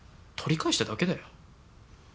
取り返しただけだよ。